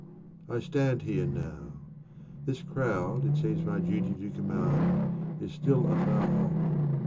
I stand here now : This crowd it seems my duty to command Is still afar off.